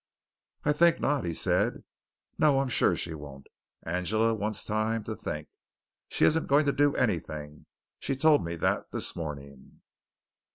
"I think not," he said. "No, I'm sure she won't. Angela wants time to think. She isn't going to do anything. She told me that this morning.